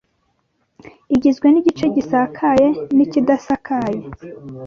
igizwe n’igice gisakaye n’ikidasakaye,